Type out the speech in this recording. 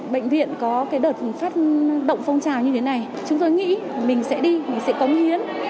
bệnh viện có cái đợt phòng phát động phong trào như thế này chúng tôi nghĩ mình sẽ đi mình sẽ có nghiến